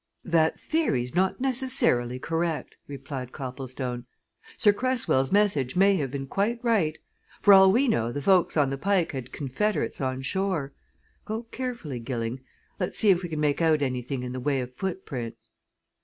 "That theory's not necessarily correct," replied Copplestone. "Sir Cresswell's message may have been quite right. For all we know the folks on the Pike had confederates on shore. Go carefully, Gilling let's see if we can make out anything in the way of footprints."